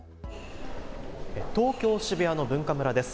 東京渋谷のＢｕｎｋａｍｕｒａです。